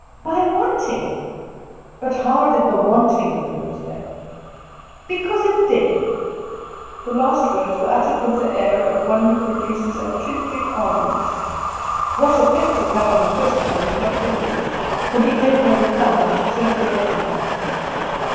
"By wanting." "But how did the wanting bring it here?" "Because it did." The last words were uttered with the air of one who produces a clinching argument. What effect it had on the questioner was not evident, for he made no reply, and turned away from her.